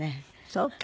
そうか。